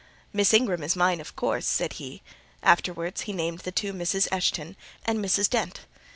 "Miss Ingram is mine, of course," said he: afterwards he named the two Misses Eshton, and Mrs. Dent.